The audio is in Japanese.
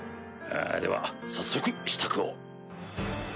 あでは早速支度を。